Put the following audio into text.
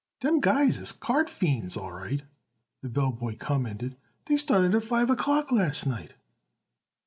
"Dem guys is card fiends all right," the bell boy commented. "Dey started in at five o'clock last night."